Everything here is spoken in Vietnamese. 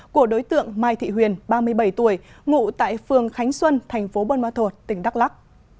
của đối tượng mai thị huyền ba mươi bảy tuổi ngụ tại phường khánh xuân thành phố buôn ma thuột tỉnh đắk lắc